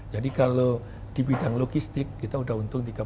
jadi kalau di bidang logistik kita udah untung tiga puluh delapan miliar